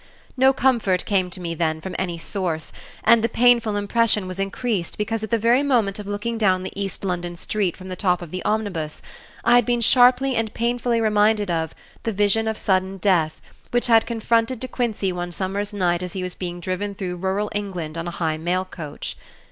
No comfort came to me then from any source, and the painful impression was increased because at the very moment of looking down the East London street from the top of the omnibus, I had been sharply and painfully reminded of "The Vision of Sudden Death" which had confronted De Quincey one summer's night as he was being driven through rural England on a high mail coach.